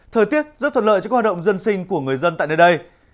thời tiết rất thuận lợi cho các hoạt động dân sinh của người dân tại nơi đây